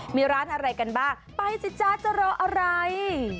มีร้านอะไรกันบ้างไปสิจ๊ะจะรออะไร